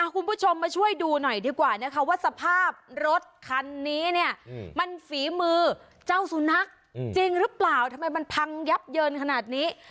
คุณผู้ชมมาช่วยดูหน่อยดีกว่านะคะว่าสภาพรถคันนี้เนี่ยมันฝีมือเจ้าสุนัขจริงหรือเปล่าทำไมมันพังยับเยินขนาดนี้